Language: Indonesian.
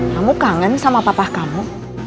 kamu kangen sama papa kamu